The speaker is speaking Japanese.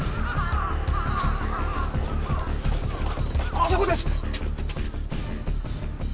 あそこです！